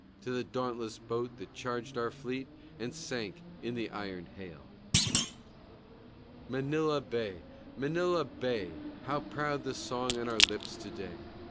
To the dauntless boat that charged our fleet And sank in the iron hail! Manila Bay! Manila Bay! How proud the song on our lips to day!